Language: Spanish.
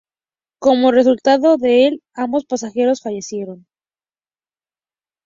Como resultado de el, ambos pasajeros fallecieron.